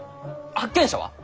発見者は？